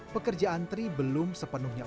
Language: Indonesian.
pekerjaan tri belum sepenuhnya